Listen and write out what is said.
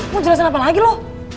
mau jelasin apa lagi loh